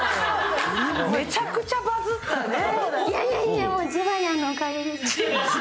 めちゃくちゃバズったね。